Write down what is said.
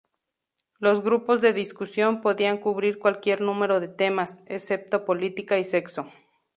Los grupos de discusión podían cubrir cualquier número de temas, excepto política y sexo.